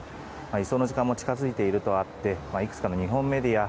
移送の時間も近づいているとあっていくつかの日本メディア